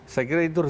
saya kira itu harus